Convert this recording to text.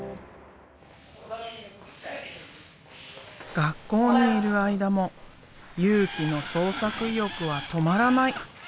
学校にいる間も佑貴の創作意欲は止まらない！